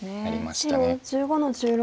白１５の十六。